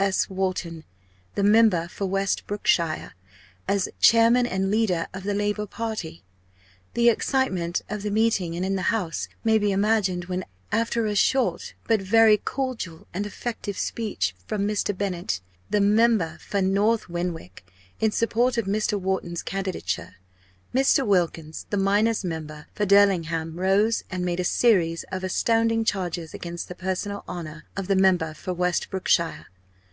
S. Wharton, the member for West Brookshire, as chairman and leader of the Labour party. The excitement of the meeting and in the House may be imagined when after a short but very cordial and effective speech from Mr. Bennett, the member for North Whinwick, in support of Mr. Wharton's candidature Mr. Wilkins, the miner's member for Derlingham, rose and made a series of astounding charges against the personal honour of the member for West Brookshire.